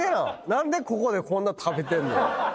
何でここでこんな食べてんのよ？